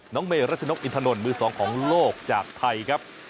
เมรัชนกอินทนนท์มือสองของโลกจากไทยครับ